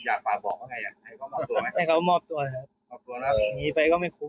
ยิงด้วยนะ